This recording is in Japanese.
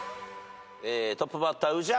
トップバッター宇治原。